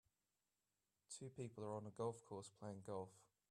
Two people are on a golf course playing golf.